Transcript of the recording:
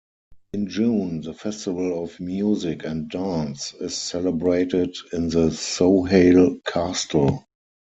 In June, the festival of music and dance is celebrated in the Sohail castle.